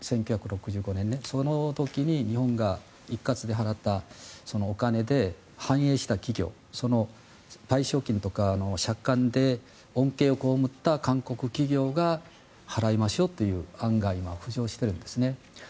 １９６５年その時に日本が一括で払ったお金で繁栄した企業その賠償金とか借款で恩恵を被った韓国企業が払いましょうという案が今、浮上しているんですね。